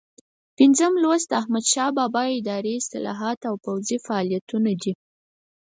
پنځم لوست د احمدشاه بابا اداري اصلاحات او پوځي فعالیتونه دي.